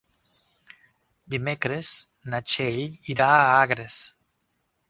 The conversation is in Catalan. Dimecres na Txell irà a Agres.